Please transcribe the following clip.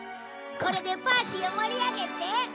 これでパーティーを盛り上げて！